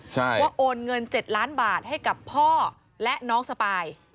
ใช่ว่าโอนเงินเจ็ดล้านบาทให้กับพ่อและน้องสปาย